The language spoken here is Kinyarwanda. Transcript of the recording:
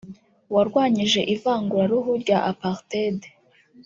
warwanyije ivanguraruhu rya Apartheid